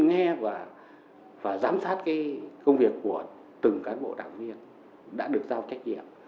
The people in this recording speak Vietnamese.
nghe và giám sát cái công việc của từng cán bộ đảng viên đã được giao trách nhiệm